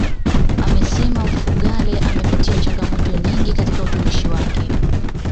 Amesema Mfugale amepitia changamoto nyingi katika utumishi wake